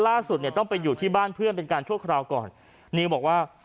ล่าสุดเนี่ยต้องไปอยู่ที่บ้านเพื่อนเป็นการชั่วคราวก่อนนิวบอกว่า